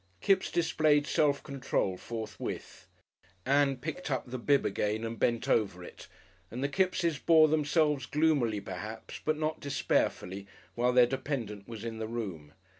Kipps displayed self control forthwith. Ann picked up the bib again and bent over it, and the Kippses bore themselves gloomily perhaps, but not despairfully, while their dependant was in the room.